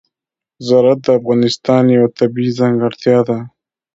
زراعت د افغانستان یوه طبیعي ځانګړتیا ده.